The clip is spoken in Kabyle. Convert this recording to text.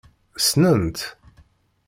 Ssnen-tt.